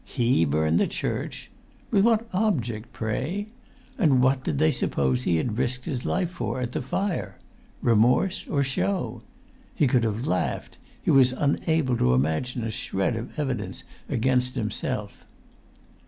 He burn the church! With what object, pray? And what did they suppose he had risked his life for at the fire? Remorse, or show? He could have laughed; he was unable to imagine a shred of evidence against himself.